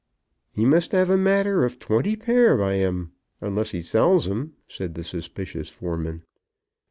"He must 'ave a matter of twenty pair by him, unless he sells 'em," said the suspicious foreman.